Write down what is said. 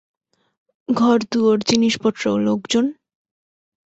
ঘরদুয়োর, জিনিসপত্র, লোকজন?